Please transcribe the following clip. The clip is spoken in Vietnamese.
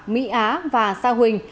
mỹ á và sa huỳnh